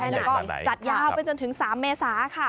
แล้วก็จัดยาวไปจนถึง๓เมษาค่ะ